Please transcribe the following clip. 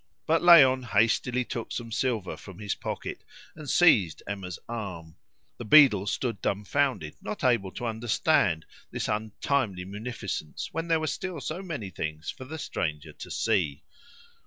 But Léon hastily took some silver from his pocket and seized Emma's arm. The beadle stood dumfounded, not able to understand this untimely munificence when there were still so many things for the stranger to see.